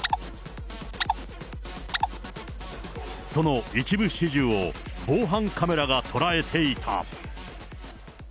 その一部始終を、防犯カメラが捉えていた。